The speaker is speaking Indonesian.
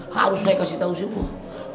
harus saya kasih tahu semua